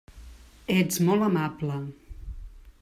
Ets molt amable.